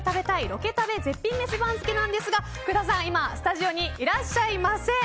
ロケ食べ絶品めし番付なんですが福田さん、今スタジオにいらっしゃいません。